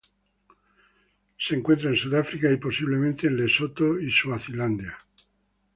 Se encuentra en Sudáfrica y, posiblemente en Lesoto y Suazilandia.